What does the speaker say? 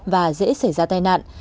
và dễ xảy ra tai nạn